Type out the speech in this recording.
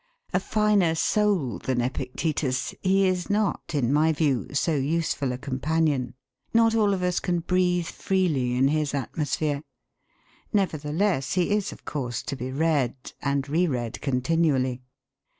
A finer soul than Epictetus, he is not, in my view, so useful a companion. Not all of us can breathe freely in his atmosphere. Nevertheless, he is of course to be read, and re read continually.